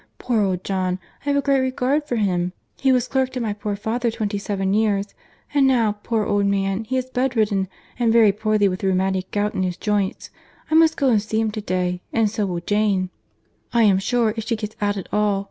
Poor old John, I have a great regard for him; he was clerk to my poor father twenty seven years; and now, poor old man, he is bed ridden, and very poorly with the rheumatic gout in his joints—I must go and see him to day; and so will Jane, I am sure, if she gets out at all.